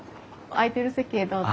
空いてる席へどうぞ。